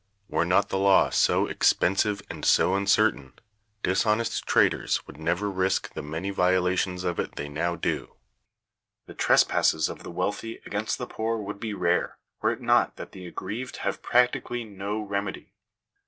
Were not the law so expensive and so uncertain, dishonest traders would never risk the many violations of it they now do. The tres passes of the wealthy against the poor would be rare, were it not that the aggrieved have practically no remedy.